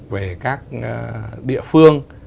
về các địa phương